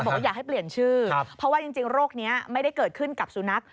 บอกว่าอยากให้เปลี่ยนชื่อเพราะว่าจริงโรคนี้ไม่ได้เกิดขึ้นกับสุนัข